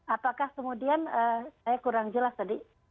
apakah kemudian saya kurang jelas tadi